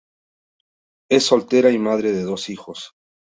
Es soltera y madre de dos hijos.